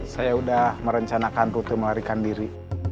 saya sudah merencanakan rute melarikan diri